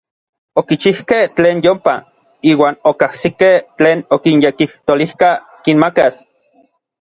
Okichijkej tlen yompa, iuan okajsikej tlen okinyekijtolijka kinmakas.